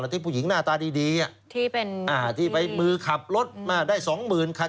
แล้วที่ผู้หญิงหน้าตาดีที่ไปมือขับรถได้๒๐๐๐๐คัด